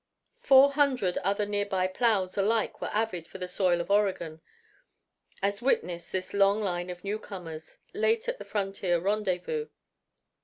Four hundred other near by plows alike were avid for the soil of Oregon; as witness this long line of newcomers, late at the frontier rendezvous.